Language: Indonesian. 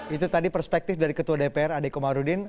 itu tadi perspektif dari ketua dpr adeko malrudin